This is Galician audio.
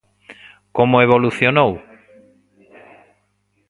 Como evolucionou?